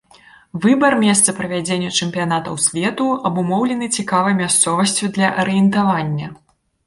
Выбар месца правядзення чэмпіянатаў свету абумоўлены цікавай мясцовасцю для арыентавання.